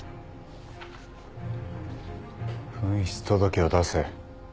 紛失届を出せ。